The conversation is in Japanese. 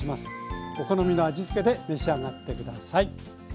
お好みの味付けで召し上がって下さい。